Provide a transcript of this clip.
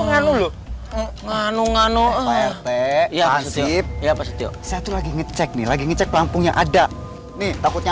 ngamuk ngamuk ngamuk ya pak setio saya tuh lagi ngecek nih lagi ngecek pelampungnya ada nih takutnya